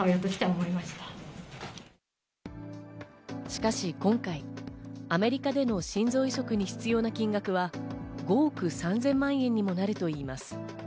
しかし今回、アメリカでの心臓移植に必要な金額は、５億３０００万円にもなるといいます。